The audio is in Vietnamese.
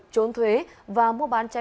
trốn thuế và mua bán chai